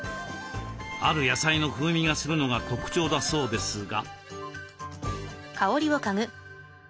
ある野菜の風味がするのが特徴だそうですが。